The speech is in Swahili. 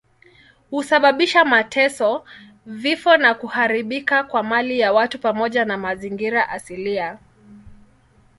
Husababisha mateso, vifo na kuharibika kwa mali ya watu pamoja na mazingira asilia.